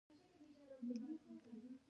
لمر چې څرک واهه؛ زه ور روان شوم.